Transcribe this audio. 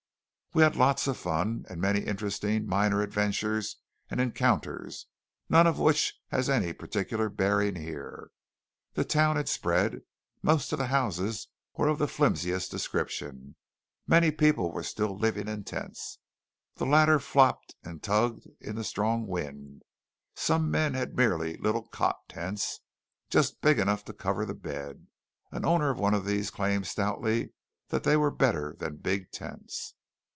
We had lots of fun, and many interesting minor adventures and encounters, none of which has any particular bearing here. The town had spread. Most of the houses were of the flimsied description. Many people were still living in tents. The latter flopped and tugged in the strong wind. Some men had merely little cot tents, just big enough to cover the bed. An owner of one of these claimed stoutly that they were better than big tents.